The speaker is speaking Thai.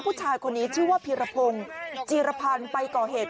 ผู้ชายคนนี้ชื่อว่าพีรพงศ์จีรพันธ์ไปก่อเหตุ